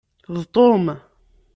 D Tom.